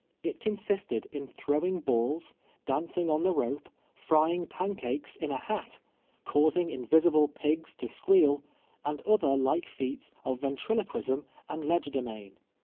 It consisted in throwing balls, dancing on the rope, frying ^^ancakes in a hat, causing invisible pigs to squeal, and other like feats of ventriloquism and legerdemain.